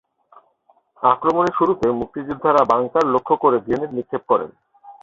আক্রমণের শুরুতে মুক্তিযোদ্ধারা বাংকার লক্ষ্য করে গ্রেনেড নিক্ষেপ করেন।